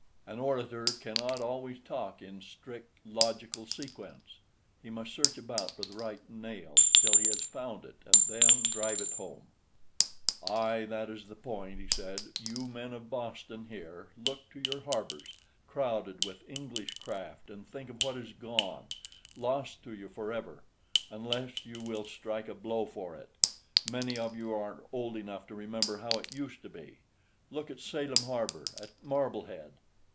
An orator cannot always talk in strict logical sequence. He must search about for the right nail till he has found it, and then drive it home. "Aye, that is the point," he said. "You men of Boston here, look to your harbors, crowded with English craft, and think of what is gone, lost to you forever, unless you will strike a blow for it. Many of you are old enough to remember how it used to be. Look at Salem Harbor, at Marblehead.